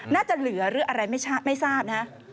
น่าจะเหลือหรืออะไรไม่ทราบนะ